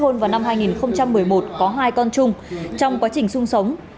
năm hai nghìn một mươi một có hai con chung trong quá trình sung sống